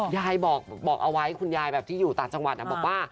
ยายบอกเอาไว้คุณยายแบบที่อยู่ต่างจังหวัดบอกว่า